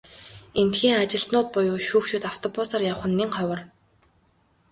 Эндэхийн ажилтнууд буюу шүүгчид автобусаар явах нь нэн ховор.